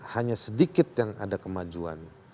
hanya sedikit yang ada kemajuan